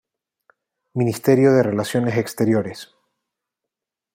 Ministerio de Relaciones Exteriores